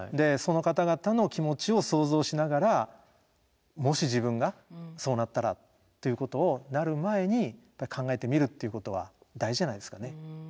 その方々の気持ちを想像しながらもし自分がそうなったらということをなる前に考えてみるっていうことは大事じゃないですかね。